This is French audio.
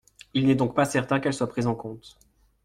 Il n’est donc pas certains qu’elles soient prises en compte.